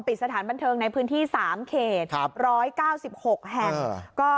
สถานบันเทิงในพื้นที่๓เขต๑๙๖แห่ง